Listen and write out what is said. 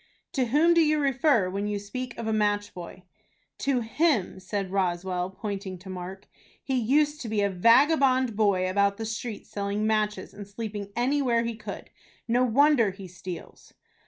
"To whom do you refer, when you speak of a match boy?" "To him," said Roswell, pointing to Mark. "He used to be a vagabond boy about the streets selling matches, and sleeping anywhere he could. No wonder he steals."